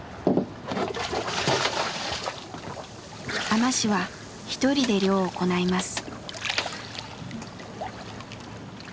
海士は一人で漁を行います。